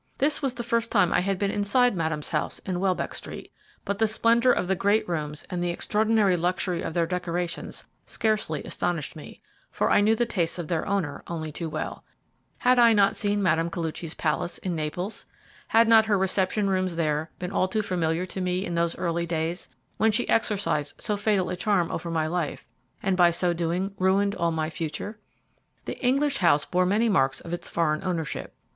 This was the first time I had been inside Madame's house in Welbeck Street, but the splendour of the great rooms and the extraordinary luxury of their decorations scarcely astonished me, for I knew the tastes of their owner only too well. Had I not seen Mme. Koluchy's palace in Naples? Had not her reception rooms there been all too familiar to me in those early days, when she exercised so fatal a charm over my life, and by so doing ruined all my future? The English house bore many marks of its foreign ownership.